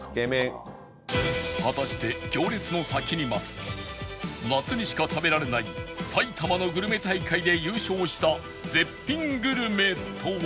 果たして行列の先に待つ夏にしか食べられない埼玉のグルメ大会で優勝した絶品グルメとは？